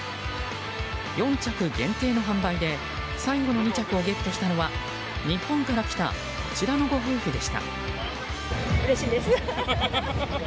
４着限定の販売で最後の２着をゲットしたのは日本から来たこちらのご夫婦でした。